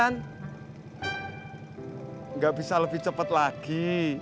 nggak bisa lebih cepet lagi